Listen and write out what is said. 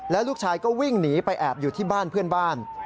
แล้วลูกชายก็วิ่งหนีไปแอบอยู่ที่บ้านเพื่อนบ้าน